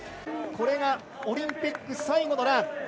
これがオリンピック最後のラン。